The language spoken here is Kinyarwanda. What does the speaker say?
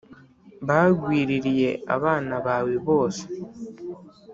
bwagwiririye abana bawe bose